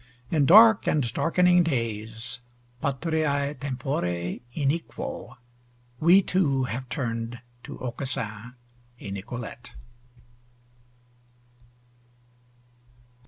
In dark and darkening days, patriai tempore iniquo, we too have turned to Aucassin et Nicolete.